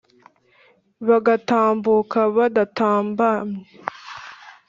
bagatambuka badatambamye